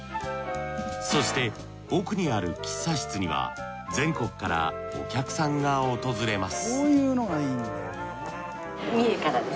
そして奥にある喫茶室には全国からお客さんが訪れます